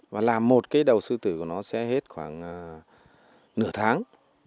và làm một cái đầu sư tử của nó sẽ hết khoảng nửa tháng